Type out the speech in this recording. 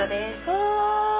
うわ！